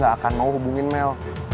gak akan mau hubungin mel